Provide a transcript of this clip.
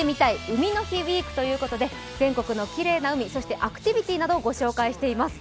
海の日ウィーク」ということで全国のきれいな海、そしてアクティビティーなどを御紹介しています。